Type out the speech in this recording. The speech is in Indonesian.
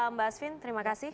mbak asvin terima kasih